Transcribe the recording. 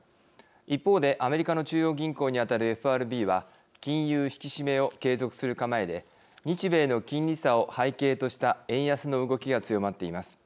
一方でアメリカの中央銀行に当たるＦＲＢは金融引き締めを継続する構えで日米の金利差を背景とした円安の動きが強まっています。